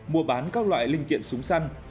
mua bán các loại linh kiện súng săn